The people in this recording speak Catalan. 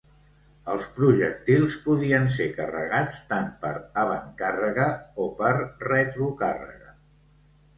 Els projectils podien ser carregats tant per avantcàrrega o per retrocàrrega.